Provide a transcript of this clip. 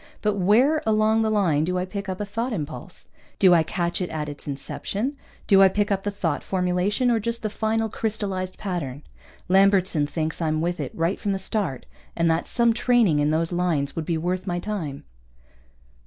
But where along the line do I pick up a thought impulse? Do I catch it at its inception? Do I pick up the thought formulation, or just the final crystalized pattern? Lambertson thinks I'm with it right from the start, and that some training in those lines would be worth my time.